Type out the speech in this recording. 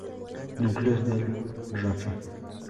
Núcleos del rafe